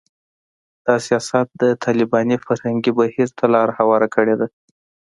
دا سیاست د طالباني فرهنګي بهیر ته لاره ورکړې ده